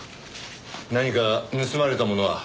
何か盗まれたものは？